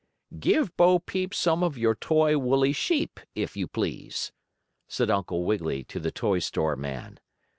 "Give Bo Peep some of your toy woolly sheep, if you please," said Uncle Wiggily to the toy store man.